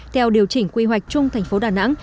theo điều chỉnh quy hoạch chung thành phố đà nẵng